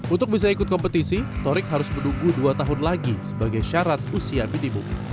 untuk bisa ikut kompetisi torik harus menunggu dua tahun lagi sebagai syarat usia minimum